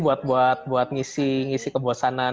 buat buat ngisi ngisi kebosanan